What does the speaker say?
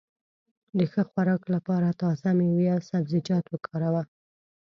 د ښه خوراک لپاره تازه مېوې او سبزيجات وکاروه.